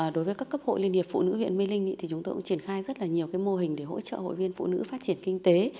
đối với các cấp hội liên hiệp phụ nữ huyện mê linh thì chúng tôi cũng triển khai rất là nhiều mô hình để hỗ trợ hội viên phụ nữ phát triển kinh tế